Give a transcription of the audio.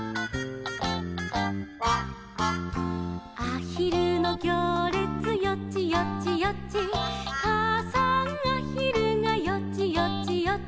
「あひるのぎょうれつよちよちよち」「かあさんあひるがよちよちよち」